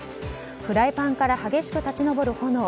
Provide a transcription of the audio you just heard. フライパンから激しく立ち上る炎。